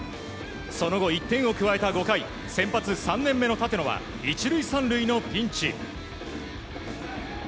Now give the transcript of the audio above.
その後１点を加えた５回先発３年目の立野は１塁３塁のピンチ。